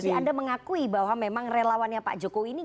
jadi anda mengakui bahwa memang relawannya pak jokowi ini